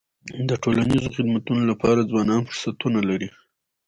د ټولنیزو خدمتونو لپاره ځوانان فرصتونه لري.